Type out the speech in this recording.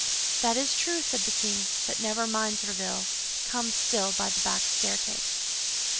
"That is true," said the king; "but never mind, Tréville, come still by the back staircase."